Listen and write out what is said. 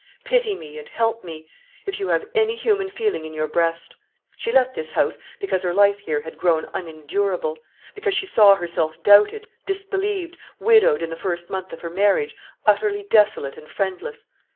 Pity me, and help me; if you have any human feeling in your breast. She left this house because her life here had grown unendurable; because she saw herself doubted, disbelieved, widowed in the first month of her marriage, utterly desolate and friendless.